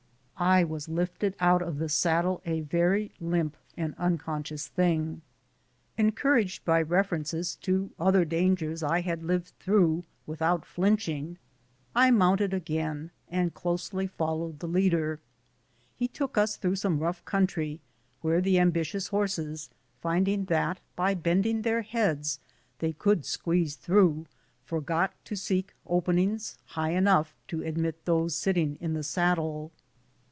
I was lifted out of the saddle a very limp and unconscious thing. Encouraged by references to other dangers I had lived through without flinching, I mounted again and followed the leader closely. lie took us through some rough country, where the ambitious horses, finding that by bending their heads they could squeeze through, forgot to seek openings high enough to admit those sitting in the saddle.